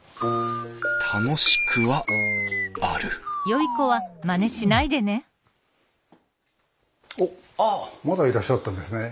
楽しくはあるおっまだいらっしゃたんですね。